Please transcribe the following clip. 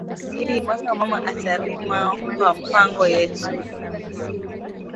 Iyi mwaka mama ata rima pa mpango yetu